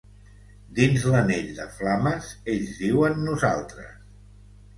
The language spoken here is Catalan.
Dins l’anell de flames, ells diuen nosaltres.